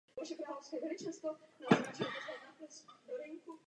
Žije v jejich krvi.